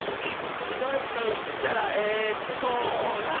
「しろいといったらえそら！」